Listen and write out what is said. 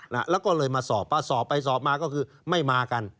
แล้วก็เลยมาสอบพอสอบไปสอบมาก็คือไม่มากัน